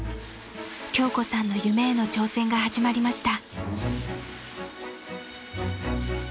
［京子さんの夢への挑戦が始まりました］